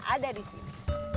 ada di sini